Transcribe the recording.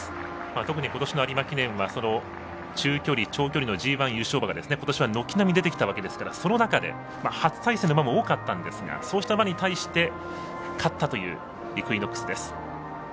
特に今年の有馬記念は中距離、長距離のＧＩ優勝馬が今年は軒並み出てきたわけですからその中で、初対戦の馬も多かったわけですがそうした馬に対して勝ったというイクイノックスです。